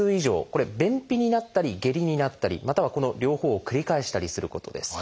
これは便秘になったり下痢になったりまたはこの両方を繰り返したりすることです。